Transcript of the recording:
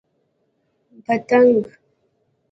🦋 پتنګ